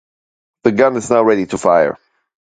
The gun is now ready to fire.